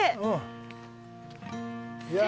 いや。